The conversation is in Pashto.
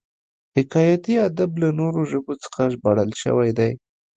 حکایتي ادب له نورو ژبو څخه ژباړل شوی دی